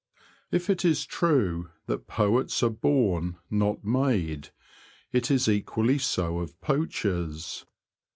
If it is true that poets are born, not made, it is equally so of poachers.